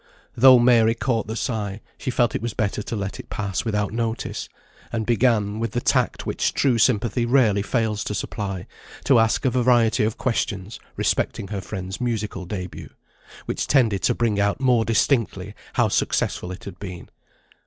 Though Mary caught the sigh, she felt it was better to let it pass without notice, and began, with the tact which true sympathy rarely fails to supply, to ask a variety of questions respecting her friend's musical debut, which tended to bring out more distinctly how successful it had been.